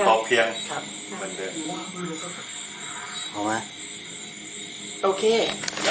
พรุ่งนี้ก็ขายเหมือนเดิมทุกอย่างเลย